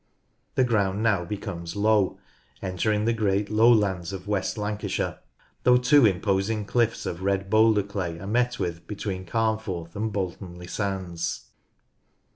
The ground now becomes low, entering the great lowlands of West Lancashire, though two imposing cliffs of red boulder clay are met with between Carnforth and Bolton le Sands.